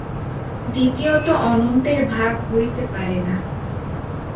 দ্বিতীয়ত অনন্তের ভাগ হইতে পারে না।